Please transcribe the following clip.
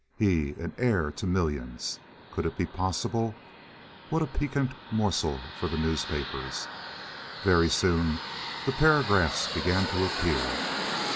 He, an heir to millions! Could it be possible? What a piquant morsel for the newspapers! Very soon the paragraphs began to appear.